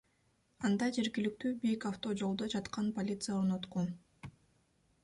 Анда жергиликтүү бийлик авто жолдо жаткан полиция орноткон.